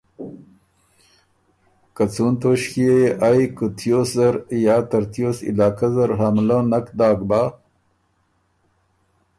که څُون توݭکيې يې ائ کوتیوس زر یا ترتیوس علاقۀ زر حملۀ نک داک بَۀ